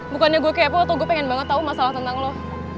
bukannya gue ke apple atau gue pengen banget tau masalah tentang lo